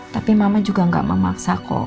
tapi mama juga gak memaksa kok